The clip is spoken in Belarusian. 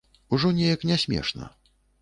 Ужо неяк не смешна.